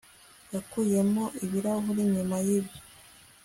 Yakuyemo ibirahuri nyuma yibyo